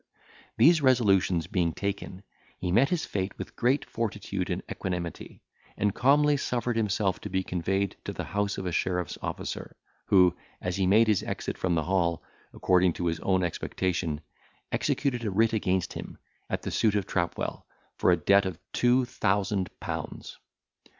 These resolutions being taken, he met his fate with great fortitude and equanimity, and calmly suffered himself to be conveyed to the house of a sheriff's officer, who, as he made his exit from the hall, according to his own expectation, executed a writ against him, at the suit of Trapwell, for a debt of two thousand pounds.